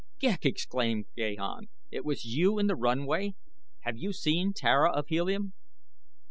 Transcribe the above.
"Ghek!" exclaimed Gahan. "It was you in the runway? Have you seen Tara of Helium?"